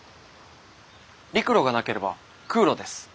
陸路がなければ空路です。